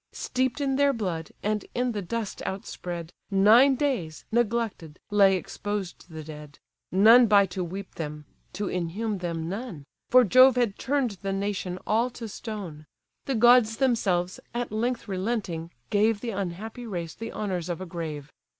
Steep'd in their blood, and in the dust outspread, Nine days, neglected, lay exposed the dead; None by to weep them, to inhume them none; (For Jove had turn'd the nation all to stone.) The gods themselves, at length relenting gave The unhappy race the honours of a grave.